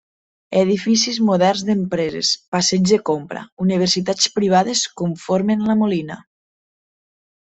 Edificis moderns d'empreses, passeigs de compra, universitats privades conformen La Molina.